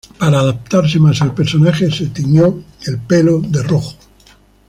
Para adaptarse más al personaje, se tiñó el pelo de rojo.